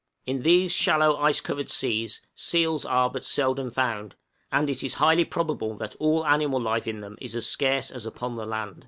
In these shallow ice covered seas, seals are but seldom found: and it is highly probable that all animal life in them is as scarce as upon the land.